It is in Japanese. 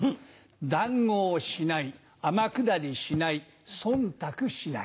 談合しない天下りしない忖度しない。